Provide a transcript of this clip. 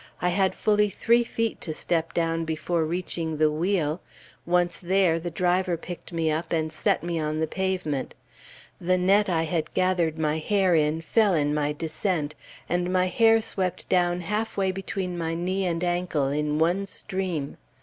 I had fully three feet to step down before reaching the wheel; once there, the driver picked me up and set me on the pavement. The net I had gathered my hair in, fell in my descent, and my hair swept down halfway between my knee and ankle in one stream.